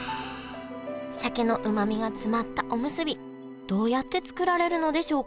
鮭のうまみが詰まったおむすびどうやって作られるのでしょうか？